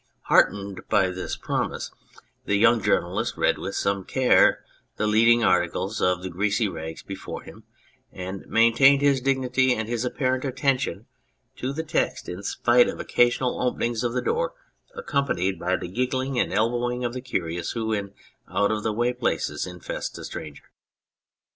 Heartened by this promise, the young journalist 186 The Brigand of Radicofani read with some care the leading articles of the greasy rags before him, and maintained his dignity and his apparent attention to the text in spite of occasional openings of the door accompanied by the giggling and elbowing of the curious who, in out of the way places, infest a stranger.